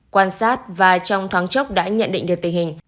quan sát và trong thoáng chốc đã nhận định được tình hình